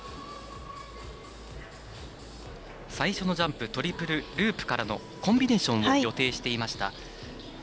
最初のジャンプトリプルループからのコンビネーションを予定していました。